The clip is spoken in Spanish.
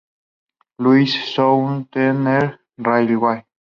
Louis Southwestern Railway.